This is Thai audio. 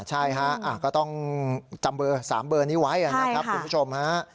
ใช่ฮะก็ต้องจำเบอร์๓เบอร์นี้ไว้นะครับคุณผู้ชมฮะ